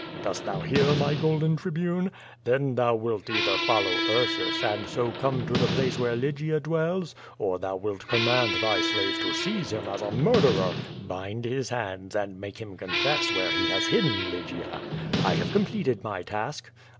Dost thou hear, my golden Tribune? Then thou wilt either follow Ursus, and BO come to the place where Lygia dwells, or thou wilt com mand thy slaves to seize him as a murderer, bind his hands and make him confess where he has hidden Lygia. I have completed my task.